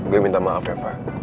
lo jadian sama raya